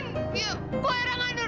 kau eira ngandur